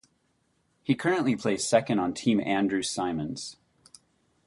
He currently plays second on Team Andrew Symonds.